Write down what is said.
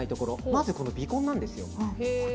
まず鼻根なんですよ。